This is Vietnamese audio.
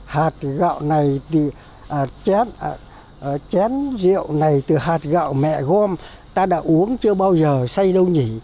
hạt gạo này chép chén rượu này từ hạt gạo mẹ gom ta đã uống chưa bao giờ xây đâu nhỉ